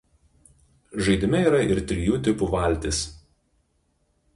Žaidime yra ir trijų tipų valtys.